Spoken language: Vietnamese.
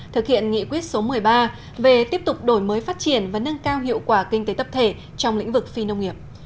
thực hiện nghị quyết số một mươi ba về tiếp tục đổi mới phát triển và nâng cao hiệu quả kinh tế tập thể trong lĩnh vực phi nông nghiệp